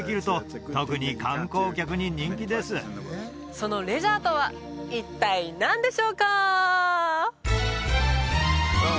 そのレジャーとは一体何でしょうか？